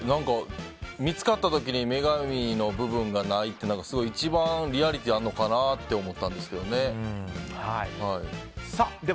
見つかった時に女神の部分がないってすごい一番リアリティーがあるのかなと思ったんですけどね。